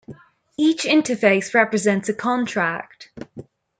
Each interface represents a contract.